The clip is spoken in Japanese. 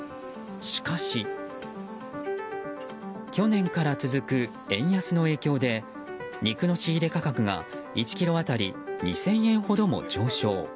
しかし、去年から続く円安の影響で肉の仕入れ価格が１ｋｇ当たり２０００円ほども上昇。